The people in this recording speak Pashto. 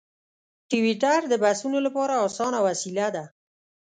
ټویټر د بحثونو لپاره اسانه وسیله ده.